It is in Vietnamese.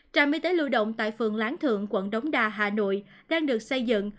trạm y tế lưu động tại phường lán thượng quận đống đà hà nội đang được xây dựng